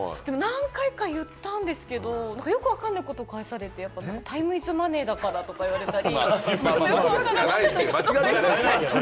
何回か言ったんですけれど、よくわかんないことを返されて、タイム・イズ・マネーだから！って言われたり。